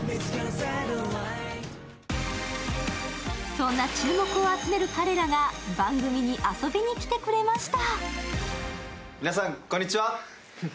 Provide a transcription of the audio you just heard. そんな注目を集める彼らが番組に遊びにきてくれました。